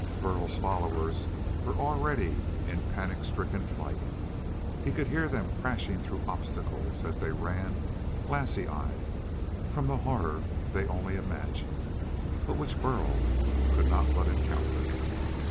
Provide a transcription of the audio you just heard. Burl's followers were already in panic stricken flight. He could hear them crashing through obstacles as they ran glassy eyed from the horror they only imagined, but which Burl could not but encounter.